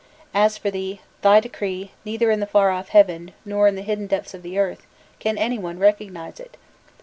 As for thee, thy decree, neither in the far off heaven, nor in the hidden depths of the earth, can any one recognize it!